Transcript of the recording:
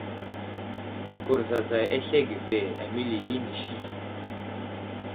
Kurzazay aslege ve ,aməli inisi.